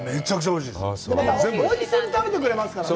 おいしそうに食べてくれますからね。